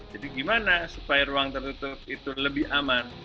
jadi gimana supaya ruang tertutup itu lebih aman